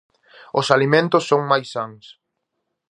Os alimentos son máis sans.